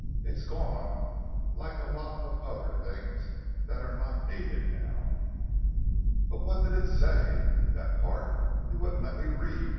It's gone—like a lot of other things that are not needed now!" "But what did it say—that part that you wouldn't let me read?"